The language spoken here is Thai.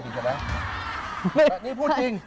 แบบนี้พูดจริง